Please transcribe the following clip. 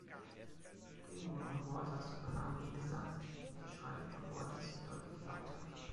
Gilmour und Waters übernahmen den Gesang, und die Schreie von Waters sind deutlich lauter.